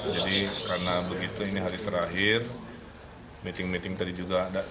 jadi karena begitu ini hari terakhir meeting meeting tadi juga ada